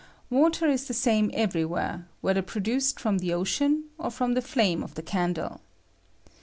Water is the same every where, whether produced from the ocean or from the flame of the candle.